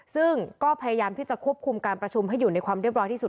ซึ่งก็พยายามที่จะควบคุมการประชุมให้อยู่ในความเรียบร้อยที่สุด